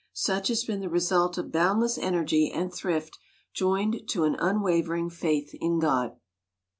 Such has been the result of boundless energy and thrift joined to an unwavering faith in God.